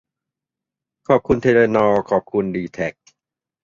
ขอบคุณเทเลนอร์ ขอบคุณดีแทค